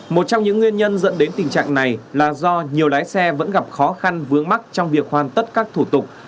một trong những nguyên nhân dẫn đến tình trạng này là do nhiều lái xe vẫn gặp khó khăn vướng mắt trong việc hoàn tất các thủ tục